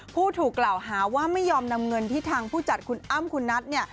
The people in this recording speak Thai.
ผู้ถูกกล่าวหาว่าไม่ยอมนำเงินที่ทางผู้จัดคุณอ้ำคุณนัท